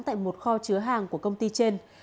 tại một kho chứa hàng của công ty trên